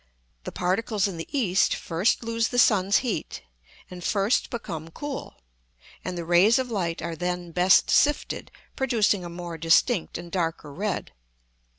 The particles in the east first lose the sun's heat, and first become cool; and the rays of light are then best sifted, producing a more distinct and darker red.